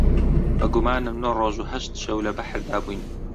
بە گومانم نۆ ڕۆژ و هەشت شەو لە بەحردا بووین